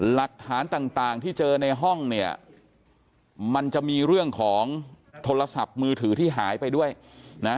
หลักฐานต่างที่เจอในห้องเนี่ยมันจะมีเรื่องของโทรศัพท์มือถือที่หายไปด้วยนะ